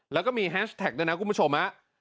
แล้วก็มีแฮชแท็กด้วยนะคุณผู้ชม